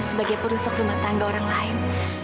sebagai perusak rumah tangga orang lain